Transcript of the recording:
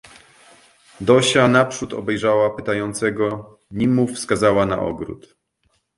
"Dosia naprzód obejrzała pytającego, nim mu wskazała na ogród..."